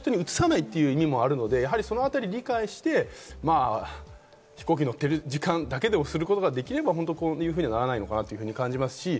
人にうつさないという意味もあるので、そのあたりを理解して飛行機に乗っている時間だけでもすることができれば、こういうふうにはならないのかなと感じます。